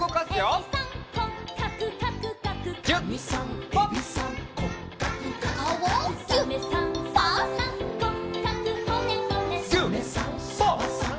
「サメさんサバさん